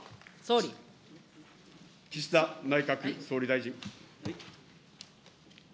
岸田内閣総理大臣。